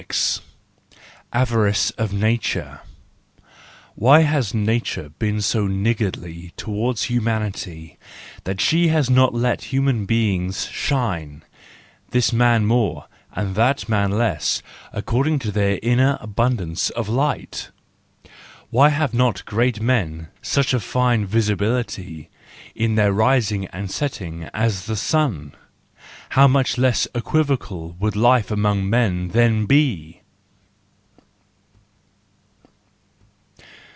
Avarice of Nature .—Why has nature been so niggardly towards humanity that she has not let human beings shine, this man more and that man less, according to their inner abundance of light? Why have not great men such a fine visibility in their rising and setting as the sun? How much less equivocal would life among men then be!